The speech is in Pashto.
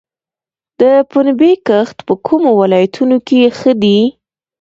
د پنبې کښت په کومو ولایتونو کې ښه دی؟